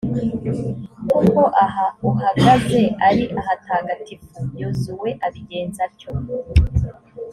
kuko aha uhagaze ari ahatagatifu.» yozuwe abigenza atyo.